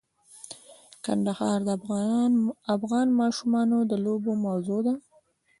کندهار د افغان ماشومانو د لوبو موضوع ده.